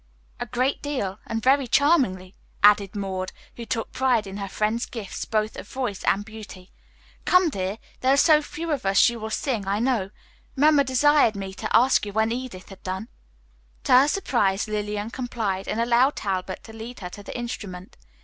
"A great deal, and very charmingly," added Maud, who took pride in her friend's gifts both of voice and beauty. "Come, dear, there are so few of us you will sing, I know. Mamma desired me to ask you when Edith had done." To her surprise Lillian complied, and allowed Talbot to lead her to the instrument.